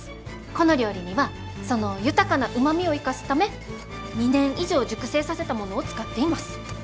この料理にはその豊かなうまみを生かすため２年以上熟成させたものを使っています。